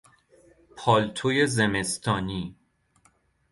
پالتو زمستانی